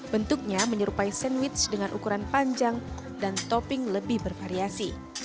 bentuknya menyerupai sandwich dengan ukuran panjang dan topping lebih bervariasi